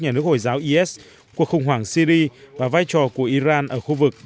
nhà nước hồi giáo is cuộc khủng hoảng syri và vai trò của iran ở khu vực